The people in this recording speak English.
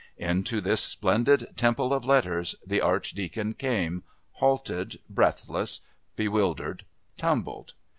Into this splendid temple of letters the Archdeacon came, halted, breathless, bewildered, tumbled.